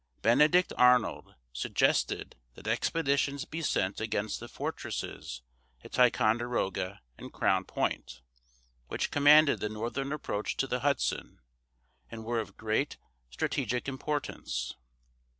Benedict Arnold suggested that expeditions be sent against the fortresses at Ticonderoga and Crown Point, which commanded the northern approach to the Hudson and were of great strategic importance.